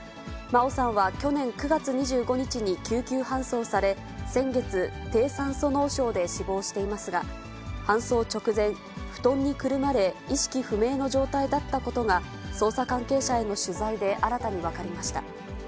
真愛さんは去年９月２５日に救急搬送され、先月、低酸素脳症で死亡していますが、搬送直前、布団にくるまれ、意識不明の状態だったことが、捜査関係者への取材で新たに分かりました。